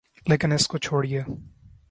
لیکن اس کو چھوڑئیے۔